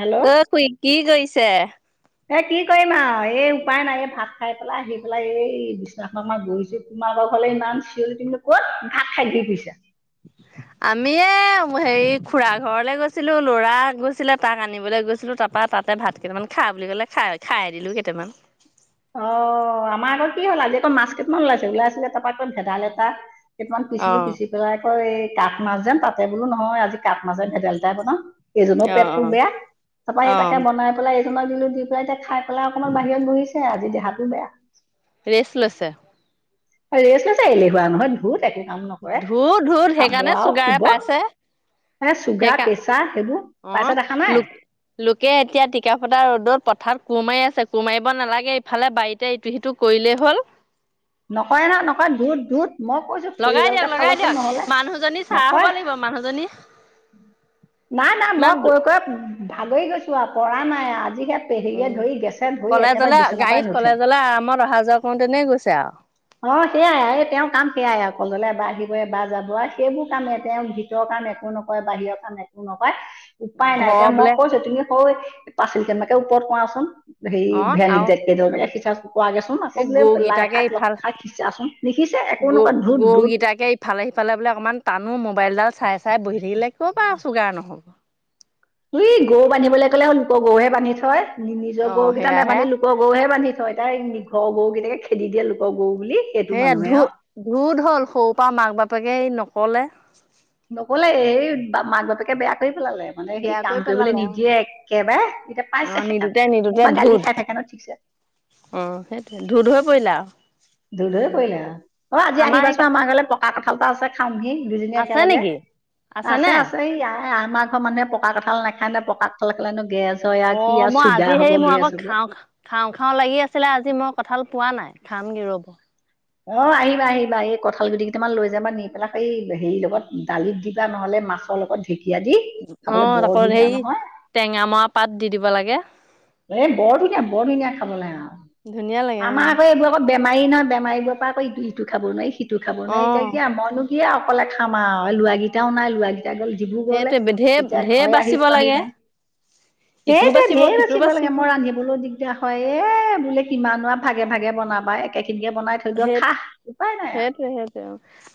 Hello ঐ খুৰী, কি কৰিছে? এ কি কৰিম আও, এই উপায় নাই এই ভাত খায় পেলাই আহি পেলাই এই বিচনাখনত বহিছো। মাকৰ ঘৰলে ইমান চিঞল তুমি ক'ত ভাত খায় ঘূৰি ফুৰিছা। [inaudible] আমি এ হেৰি খুৰা ঘৰলে গৈছিলো লৰা গৈছিলে তাক আনিবলে গৈছিলো তা পৰা তাতে ভাত কেইটামান খা বুলি ক'লে খায় খায় দিলোঁ কেইটামান। অ' আমাৰ আকৌ কি হ'ল আজি আক' মাছ কেইটমান ওলাইছে ওলাইছিলে তাৰপৰা আকৌ ভেদাই লতা কেইটামান পিচছিলো পিচি পেলাই আকৌ এই কাঠ মাছ যেন তাতে বোলো নহয় আজি কাঠ মাছ ভেদাইটাই বনাও। এইজনৰো অ পেটটো অ বেয়া তাৰাপৰা অ সেই তাকে বনাই পেলাই আমাৰ ধুনু কি কৰিচে, খাই পেলাই অকমান বাহিৰত বহিছে আজি দেহাতো বেয়া। ৰেছ লৈছে। ৰেষ্ট লৈছে, এলেহুৱা নহৈ ধুদ। কাম নকৰে, ধু ধু খাব সেইকাৰণে আৰু চুগাৰে শুব, পাইছে এ চুগাৰ, সেইকা প্ৰেচাৰ সেইবোৰ। পাইছা অ', দেখা নাই লো লোকে এতিয়া টিকফটা ৰ'দত পথাৰত কোমাৰি আছে, কুমাৰিব নালাগে ইফালে বাৰীতে ইটো-সিটো কৰিলেই হ'ল। নকৰে নহয় নকৰে, ধোত, ধোত মই কৈছো খৰি এডালকে ফালকচোন নহ'লে। কাঢ়া হ'ব নকৰে লাগিব মানুহজনী। নাই, নাই, ইমান মই কৈ, কৈ ভাগৰি গৈছো আৰু পৰা নাই আজিকালি উম, কলেজলে পৰাই গাড়ীত নুঠে কলেজলে আৰামত অহা-যোৱা কৰোতেনেই গৈছে আৰু। অ' সেয়াই এই, তেওঁৰ কাম সেয়াই আৰু কলেকজলে বা আহিব বা যাব আৰু সেইবোৰ কামেই তেওঁৰ ভিত ভিতৰ কাম একো নকৰে, বাহিৰৰ কাম একো নকৰে। উপায় নাই, ঘৰ এতিয়া মই বোলে কৈছো, তুমি সৌ পাছলি কেতেমানকে ওপৰত কৰাচোন। অ হেৰী, আৰু [unintelligible] সিচাচুন কৰাচোন, আকৌ এই বোলে লাই গৰুকেইটাকে শাক ইফাল খাই সিচাচোন, নিসিছে একো নকৰে ধোত, ধোত। ফালে-সিফালে বোলে অকণমান টানো, মোবাইল ডাল চাই, চাই, বহি থাকিলে ক'ৰ পৰা আৰু চুগাৰ নহ'ব। ই গৰু বান্ধিবলৈ ক'লে লোকৰ গৰুেহে বান্ধি থয় নিজৰ অ গৰু কেইটা সেয়াহে নাবান্ধি লোক লোকৰ গৰুহে বান্ধি থয়, তাই ঘৰৰ গৰু কেইটাকে খেদি দিয়ে লোকৰ গৰু বুলি। সেইটো সেয়া মানুহে আৰু ধোত, ধোত হ'ল সৰু পৰা মাক-বাপেকে এই নকলে। নকলে এই মাক-বাপেকে বেয়া কৰি পেলালে। মানে বেয়া সেই কৰি কাম কৰিবলৈ পেলালে আৰু। নিদিয়ে একেবাৰে, এতিয়া অ পাইছে নিদোতে সেকাটো, নিদোতে মোৰ পৰা ধুত গালি খাই থাকে নহয় ঠিকছে। অ', সেইটোৱে ধোধ হৈ পৰিল আৰু। ধোদ হৈ পৰিলে আৰু, অ', আজি আহিবাচোন আমাৰ ঘৰলে, পকা কঠাল এটা আছে। খামহী দুজনী আছে একেলগে, নেকি আছে, আছেনে আছে ইয়াই। এ আমাৰ ঘৰ মানুহে পকা কঠাল নাখায় ন, পকা কঠাল খালেনো গেছ হয় আৰু কি অ', আৰু মই চুগাৰ আজি হ'ব হেৰি মই গেছ আকৌ হ'ব খাওঁ, খাওঁ। খাওঁ, খাওঁ লাগি আছিলে আজি, মই কঁঠাল পোৱা নাই খামগে ৰ'ব। অ' আহিবা, আহিবা, এই কঁঠাল গুটি কেইটামান লৈ যাবা, নি পেলাই এই হেৰি লগত দালিত দিবা নহ'লে মাছ ভাতৰ লগত ঢেঁকীয়া দি খাবলৈ বৰ ধুনীয়া নহয়। টেঙ মৰা পাত দি দিব লাগে। এ বৰ ধুনীয়া, বৰ ধুনীয়া খাবলে ধুনীয়া লাগে আৰু আমাৰ অ'। আকৌ এইবোৰক এ বেমাৰী ন, বেমাৰীৰ পৰা আকৌ ইটো-সিটো খাব নোৱাৰি, সিটো খাব নোৱাৰি এতিয়া অ' কিয় মইনো কি আৰু অকলে খাম আৰু, ল'ৰা কেইটাও নাই ল'ৰা কেইটা গ'ল ডিব্ৰুগড় লৈ, সেইটোৱে ঢেৰ এতিয়া ঢেৰ ঘৰে আহি বাচিব পোৱাহি লাগে নাই। সেইটোৱেই ধেৰ বাচিব লাগে মই ৰা ৰান্ধিবলৈ দিগদাৰ হয়, এ বোলে কিমান ভাগে, ভাগে বনাবা একে খিনিকে বনাই থ সেইটো সেই খাহ উপায় নাই আৰু। সেইটোৱে সেইটোৱে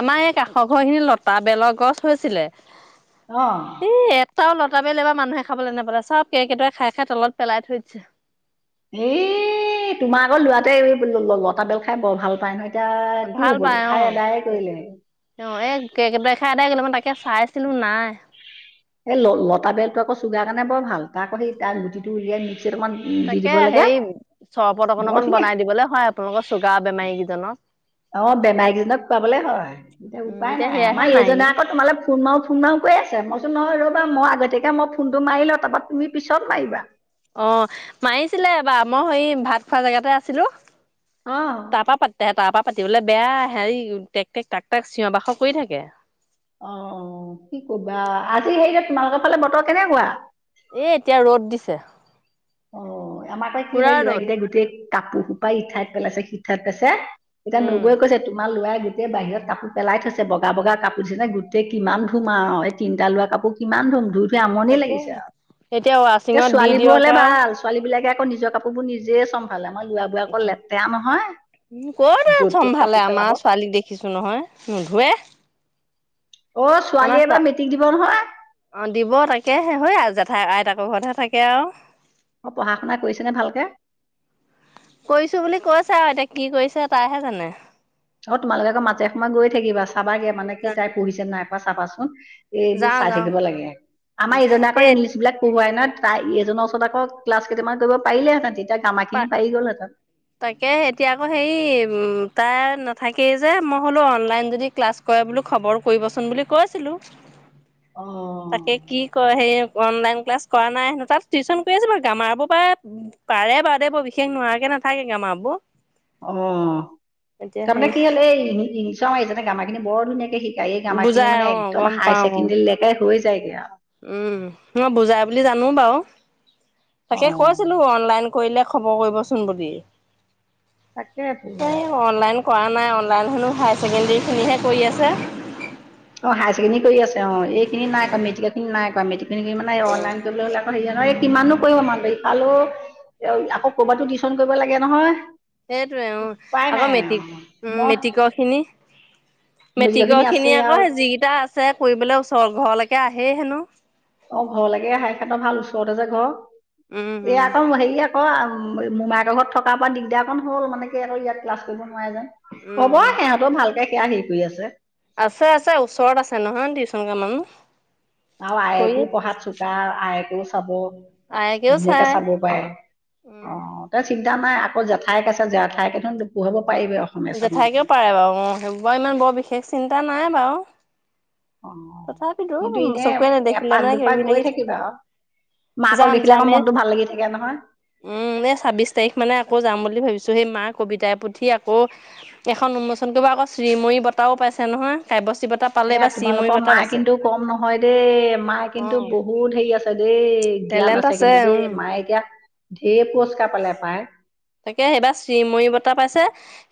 আমাৰ এই কাষৰ ঘৰখিনিত লতা বেলৰ গছ হৈছিলে। অ'। এই এটাও লতা বেল এবাৰ মানুহে খাবলৈ নাপালে, চব কেৰ্কেটুৱাই খাই, খাই তলত পেলাই থৈ দিছে। এ তোমাৰ আকৌ ল'ৰাটোৱে লটাবেল খাই বৰ ভাল পায় নহয়। এতিয়া কি ভাল হব, পাই অ' খাই আদায়ে কৰিলে। অ', এ কেৰ্কেটুৱাই খাই আদাই কৰিলে, মই তাকে চাইছিলো নাই। এই ল লতা বেলটো আকৌ চুগাৰ কাৰণে বৰ ভাল, তাৰ আক সেই তাৰ গুটিটো উলিয়াই মিক্সিত অকমান। তাকে সেই চৰবত অকন বৰ অকন ধুনীয়া বনাই দিবলে হয় আপোনালোকৰ চুগাৰ বেমাৰী গিজনক। অঁ' বেমাৰী গিজনক খোৱাবলে হয়, এতিয়া উম উপায় নাই সেয়াহে আমাৰ নাই এইজনে আকৌ তোমালে- ফোন মাৰো ফোন মাৰো কৈ আছে মইচো নহয় ৰ'বা মই আগতীয়াকে মই ফোনটো মাৰি লওঁ তাপা তুমি পিছত মাৰিবা। অঁ মাৰিছিলে এবা মই সেই ভাত খোৱা জেগাতে আছিলো অ তাপা পাত- তে তাপা পাতিবলে বেয়া হেৰি টেক টেক টাক টাক চিঞৰ বাখৰ কৰি থাকে। অঁ অঁ কি কবা আজি হেৰি যে তোমালোকৰ ফালে বতৰ কেনেকুৱা? এই এতিয়া ৰ'দ দিছে। অ' আমাৰ পুৰা একেবাৰে ৰ'দ লৰাকেইটাই গোটেই কাপোৰ সোপায় ইঠাইত পেলাইছে সিঠাইত পেলাইছে। এতিয়া উম নবৌৱে কৈছে তোমাৰ লৰাই গো- গোটেই বাহিৰত কাপোৰ পেলাই থৈছে বগা টোৱেই বাহিৰত কাপোৰ পেলাই থৈছে বগা বগা কাপোৰ ছেনে গোটেই কিমান ধুম আৰু এই তিনিটা লৱা কাপোৰ কিমান ধুম। ধুই- ধুই আমনি লাগিছে তাকেহে। আও। এতিয়া এ ৱাচিঙত দি ছোৱালীবো দিয়ক হলে- আৰু ছোৱালী বিলাকে আকৌ নিজ কাপোৰবোৰ নিজে চম- ভালে আমাৰ লৰাবোৰ আক লেতেৰা নহয় যত ত'ত কাপোৰ পেলাব। খিছোঁ নহয়, নোধোৱে। অ' ছোৱালীয়ে এবাৰ মেটিক দিব নহয়। অঁ দিব তাকে সে হৈয়া জেঠাই আইতাকৰ ঘৰতহে থাকে আও। অঁ পঢ়া শুনা কৰিছে নে ভালকে? কৰিছোঁ বুলি কৈছে আও এতিয়া কি কৰিছে তাইহে জানে। অঁ তোমালোকে আকৌ মাতে সময়ে গৈ থাকিবা চাবাগে মানে কি তাই পঢ়িছে নে নাইপঢ়া চাবাচোন। এ এইবোৰ যাওঁ চাই যাওঁ থাকিব লাগে। উম আমাৰ ইজনে আকৌ এই ইংলিছ বিলাক পঢ়ুৱাই নত- তাই এইজন ওচত আক ক্লাছ কেইটামান কৰিব পাৰিলেহেঁতেন তেতিয়া পা কামাখিনি পাৰি গ'লহেতেন। তাকে, এতিয়া আকৌ হেৰি উম তাই নাথাকেই যে মই হ'লো অনলাইন যদি ক্লাছ- কৰে বোলো খবৰ কৰিবচোন বুলি কৈছিলো। অঁ' তাকে কি কয় হেই অনলাইন ক্লাছ কৰা নাই হেনো তাত টিউশচন কৰি আছে ন গামাবো প্ৰাই- পাৰে বাৰু দে ব বিশেষ নোৱাৰাকে নাথাকে গামাবো। অঁ তামানে কি হল এই ইনচ এইজনে গামা খিনি বৰ ধুনীয়াকে শিক- কাই এই গামা খিনি বুজাই মানে অ একদম গম হায়াৰ পাওঁ অ ছেকেণ্ডেৰীলৈকে হৈ যায়গে আৰু। উম' মই বুজাই বুলি জানো বাৰু তাকে কৈছি- অ'। লো অনলাইন কৰিলে খবৰ কৰিবচোন বুলি। তাকে তাকে ক অনলাইন- কৰা নাই অনলাইন হেনো হায়াৰ ছেকেণ্ডেৰীখিনিহে কৰি আছে। অঁ হায়াৰ ছেকেণ্ডেডেৰী কৰি আছে অঁ এইখিনি নাই কৰা মেটিক খিনি নাই কৰা মেটিক খিনি মানে অনলাইন কৰিবলে হ'লে- কিমানো কৰিব আমা বায়িফালো আকৌ কৰ'বাতো টিউশচন কৰিব লাগে নহয়। সেইটোৱে উপায় অ' আকৌ নাই আৰু মেটিক উম মই মেটিক খিনি। মেট্ৰিকৰখিনি মেট্ৰিকৰ খিনি আছেই আকৌ আৰু যিগিটা আছে কৰিবলে ওচৰ ঘৰলেকে আহেই হেনো। অঁ ঘৰলেকে আহে হেঁত ভাল ওচৰতে যে ঘ। উম' এই উম। আকৌ হেৰি আকৌ মোমায়েক ঘৰত থকা পা দিগদাৰ অকণ হ'ল মানে কি আকৌ ইয়াত ক্লাছ কৰিব নোৱাৰে যে। উম হ'ব সিহঁতৰ ভালকে সেয়া হেৰি কৰি আছে। আছে আছে ওচৰত আছে নহয় টিউচন কৱা মানুহ। আৰু কৰি আয়েকো আছে পঢ়াত চোকা আয়েকো চাব। আয়েকেও ধুনীয়াকে চাই। চাব পাৰে। উম অঁ' তা চিন্তা নাই আকৌ জেঠাইক আছে জেঠাইক হেঁতো পঢ়োৱাব পাৰিব আও। জেঠাইকেও পাৰে বাৰু অঁ সেইবোৰ বাৰু ইনেও বৰ বিশেষ চিন্তা নাই বাৰু। অঁ অঁ তথাপিতো কিন্তু ইনে চকুৰে নেদেখিলে এপাক মানে কিবা দুপাক কিবি গৈ লাগি থাকিবা আও। মাকক যাম দেখিলে আকৌ যামেই মনতো ভাল লাগি থাকে নহয়। উম এই ছাব্বিশ তাৰিখ মানে আকৌ যাম বুলি ভাবিছো সেই মা কবিতাৰ পুথি আকৌ, এইখন উন্মোচন কৰিব আকৌ শ্ৰীমৰি বটাও পাইছে নহয় কাব্যশ্ৰী বটা পালে বা শ্ৰীমৰি বটা, মাই কিন্তু কম নহয় দেই মাই অ কিন্তু বহুত হেৰি আছে দেই জ্ঞান টেলেণ্ট আছে কিন্তু দেই উম মায়ে, ইয়াত ধেৰ পুৰস্কাৰ পালে পায়। তাকে এইবাৰ শ্ৰীময়ী বটা পাইছে।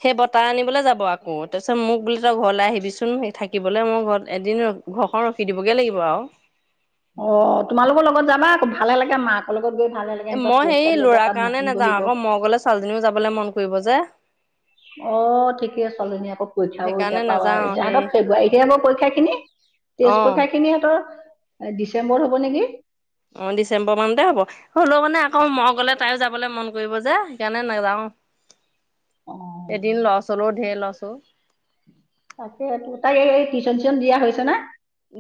সেই বটা আনিবলৈ যাব আকৌ তাৰপিছত মোক বোলে তই ঘৰলৈ আহিবিচোন স থাকিবলৈ মোৰ ঘৰত এদিন, ঘৰখন ৰখি দিবগৈ লাগিব আৰু, অ তোমালোকৰ লগত যাবা আকৌ ভালে লাগে মাক, ত লগত গৈ ভাল লাগে এ এনেকা মই পুৰস্কাৰ দিলে তাত মিটিং বহিব, ছোৱালজনীও যাবলৈ মন কৰিব যে। অ ঠিকে ছোৱালীজনী আকৌ পৰীক্ষাবও এতিয়া সেইকাৰণে পাৱা নাযাওঁ সেই এতিাহঁতৰ ফেব্ৰুৱাৰীতেে হ'ব পৰীক্ষা খিনি, তেজ অ পৰীক্ষা খিনি সিহতৰ ডিচেম্বৰত হ'ব নেকি, অ ডিচেম্বৰ মানতে হ'ব। হ'লেও মানে আকৌ মই গলে তাইও যাবলৈ মন কৰিব যে সেইকাৰণে নেযাও, অঁ এদিন লছ হলেও ঢেৰ লছ অ, তাকে হে তাই এই টিউচন চিউচন দিয়া হৈছে না?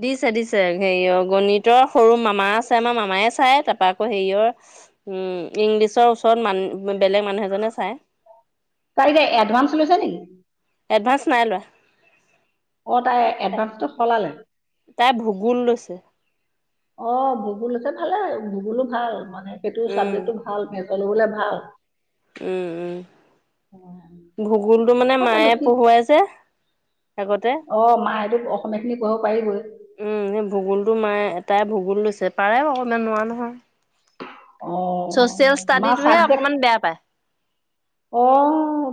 দিছে দিছে হেৰিয়ৰ গণিতৰ সৰু মামা আছে আমাৰ মামায় চাই তাৰপৰা আকৌ হেৰিয়ৰ, উম ইংলিছৰ ওচৰত মান বেলেগ মানুহ এজনে চাই, তাই কি এডভাঞ্চ লৈছে নেকি? এডভা্ঞ্চ নাই লোৱা। অ তাই এডভান্সটো সলালে। তাই ভূগোল লৈছে। অ ভূগোলতে ভালে ভূগোুলো ভাল মানে সেইটো উম চাবজেক্টটো ভাল, ভাল ভূগোল বোলে ভাল। উম, অঁ উম ভূগোলটো মানে তাকেতো মায়ে কি পঢ়ুৱাই যে, আগতে, অ মাই টো অসমীয়াখিনি পহুৱাব পাৰিবই। সেই ভূগোলটো মায়ে এটাই ভূগোল লৈছে পাৰে বাৰু ইমান নোৱাৰোৱা নহয়। অ ছচিয়েল মা ষ্টাডিটোহে চাবজেক্ট, অকমান বেয়া পায় অ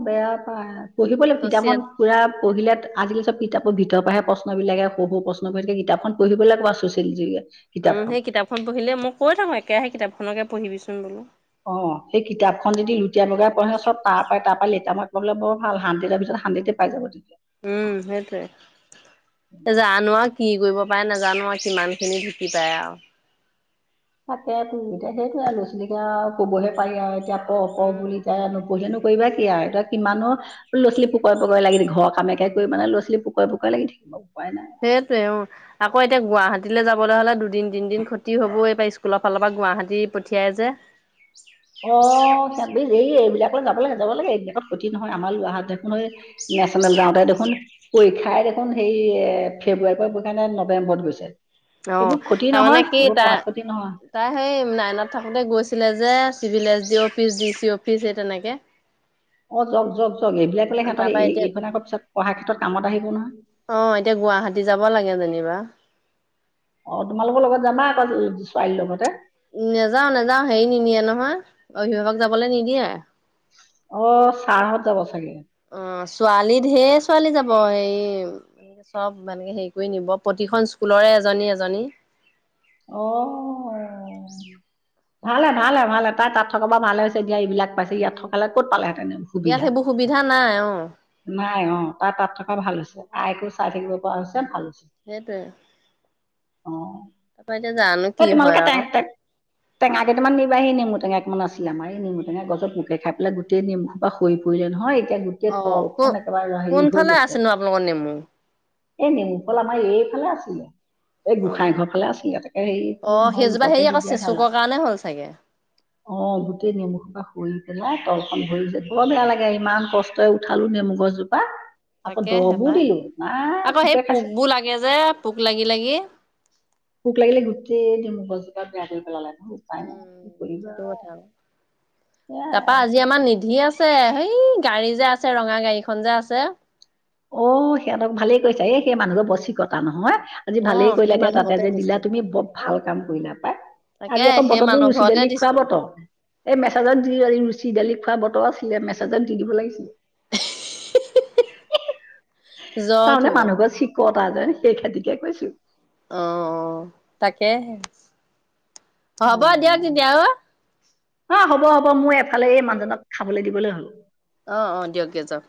বেয়া পায় পঢ়িবলৈ কিতাপখন, ছচিয়েল পোৰা পঢ়িলে আজিকালি চব কিতাপৰ ভিতৰ পৰাহে প্ৰশ্নিলাকে সৰু -সৰু- প্ৰশ্নবোৰ থাকে কিতাপখন, [unintelligible] উম সেই কিতাপখন পঢ়িলে মই কৈ থাকো একেৰাহে কিতাপখনকে পঢ়িবিচোন বোলো। অ সেই কিতাপখন যদি লুটিয়াই বগীয়াই পঢ়ে চব তাৰ পৰাই তাৰ পৰা লেটাৰ মাৰ্ক পাবলে বৰ ভাল শান্তিত আমি, তাই হানডেডে পাই যাব তেতিয়া। উম সেইটোৱে, জানো আৰু কি কৰিব পাৰে নাজানো আৰু কিমান খিনি ধুকি পায় আৰু, তাকে তো এতিয়া সেইটোৱে আৰু লৰা ছোৱালীক আৰু ক'বহে পাৰি আৰু এতিয়া প- প উম, বুলি এতিয়া আৰু নপঢ়িলে নু কৰিবা কি আৰু এয়া কিমাননো, লৰা ছোৱালী পুকৰে পকৰে লাগি ঘৰৰ কামকে কৰিবা নে লৰাো ছোৱালী পুকৰে লাগি থাকিবা উপাই নাই, সেইটোৱে অ, আকৌ এতিয়া গুৱাহাটীলৈ যাবলৈ হলে দুদিন তিনদিন খতি হবই এইবাৰ স্কুলৰ ফালৰ পৰা গুৱাহাটী পঠিয়াই যে, [inaudible] অ সিহঁ এই এইবিলাকলৈ যাব লাগে- যাব লাগে- এইবিলাকত ক্ষতি নহয় আমাৰ লৰাাহঁতে কো নেচ চেনেল যাওঁতে দেখোন পৰীক্ষাই দেখোন সেই এ ফেব্ৰুৱাৰী পৰা পৰীক্ষা নে নৱেম্বৰত হৈছে। অ' এইবোৰ ক্ষতি তাৰমানে নহয়, কি এইবোৰ তাৰ পঢ়াত ক্ষতি নহয়। তাই সেই নাইনত থাকোঁতে গৈছিলে যে, চিভিল এছ ডি অ' অফিচ ডি চি অফিচ সেই তেনেকে অঁ যওক যওক যওক এইবিলাকলে ইহঁতক তাৰপা হেৰি এতিয়া এইখন আকৌ পিছত পঢ়া ক্ষেত্ৰত কামত আহিব নহয়। অঁ এতিয়া গুৱাহাটী যাব লাগে যেনিবা। অ তোমালোকৰ লগত যাবা আকৌ ছোৱালীৰ লগতে। উম নাযাওঁ নাযাওঁ হেৰি নিনিয়ে নহয়, অভিভাৱক যাবলৈ নিদিয়ে। অ, চাৰহত যাব চাগে। অঁ, ছোৱালী ঢেৰ ছোৱালী যাব এই চব মানে হেৰি কৰি নিব প্ৰতিখন স্কুলৰে এজনী এজনী। অ, ভালে ভালে ভালে তাই তাত থকা বা ভালে হৈছে এতিয়া এইবিলাক পাইছে ইয়াত উম। থকালে ক'ত পালেহেঁতেন ইয়াত সুবিধা। সেইবোৰ সুবিধা নাই অ', নাই ‍ অঁ তাৰ তাত থকা ভাল হৈছে, তাই একো চাই থাকিব পৰা হৈছে ভাল হৈছে। সেইটোৱে অঁ মই এতিয়া জানো কি এই হয় তোমালোকে আৰু। তেহেতক টেঙা কেইটামান নিবাহি নেমু টেঙা কেইটামান আছিলে, আমাৰ এই নেমুটেঙা গছত পোকে খাই পেলাই গোটাই নেমু হোপা হৰি পৰিলে নহয় এতিয়া এতিয়া অ'। কো তলখন একেবাৰে হেৰি হৈ কোনফালে গৈছে। আছেনো আপোনালোকৰ নেমু এই নেমু ফল আমাৰ এইফালে আছিলে, এই গোঁসাই অ'। ঘৰ ফালে আছিলে। হেৰি অ বোলো নহয় সেইজোপা লোককে হেৰি দি আকৌ দিয়া ভাল চেচুকৰ কাৰণে হ'ল চাগে। অ গোটেই নেমু সোপা হৰি পেলাই তলখন ভৰি যায়, বৰ বেয়া লাগে ইমান কষ্টৰে উঠালো নেমু গছজো তাকে হে পাই, নাই আকৌ সেই পোকে খাইছে পোকবোৰ লাগে যে পোক লাগি লাগি পোক লাগি লাগি গোটেই নেমু গছজোপা কৰি বেয়া পেলালে। উম, সেইটো কথা আৰু। [inaudible] নিধিয়ে আ ছে সেই গাড়ী যে আছে ৰঙা গাড়ীখন যে আছে। অ সিহঁতক ভালেই কৈছা এই সেই মানুহৰ বৰ চিকতা নহয়। আজি ভালেই অ', সেই কৰিলা তেওঁ তাতে মানুহতে যে দিলা, দিছো। তুমি বৰ ভাল কাম কৰিলা পাই। তাকে আজি আকৌ সেই বতৰটো মানুহ ৰুচি ঘৰতে দালি খোৱা দিছো বতৰ। এই মেছেজত দি ৰুচি দালি খোৱা বতৰ আছিলে, মেছেজত দি দিব লাগিছিল। জ্বৰ তাৰমানে উঠিব মানুহ ঘৰ চিকতা যে সেই হেতিকে কৈছো। অঁ তাকেহে হ'ব দিয়ক তেতিয়া অ অঁ হ'ব হ'ব মই এফালে এই মানুহজনক খাবলৈ দিবলৈ হ'ল। অঁ অঁ দিয়ক দিয়ক যাওক।